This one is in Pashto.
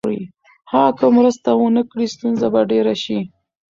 که هغه مرسته ونکړي، ستونزه به ډېره شي.